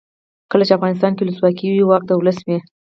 کله چې افغانستان کې ولسواکي وي واک د ولس وي.